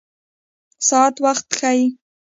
ساعت وخت ښيي